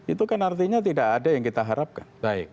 itu kan artinya tidak ada yang kita harapkan